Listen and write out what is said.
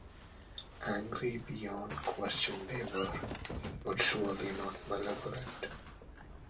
Angry beyond question they were, but surely not malevolent.